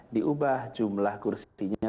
diubah jumlah kursinya